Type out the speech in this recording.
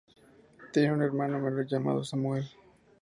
Tiene un hermano menor llamado Samuel.